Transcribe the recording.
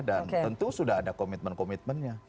dan tentu sudah ada komitmen komitmennya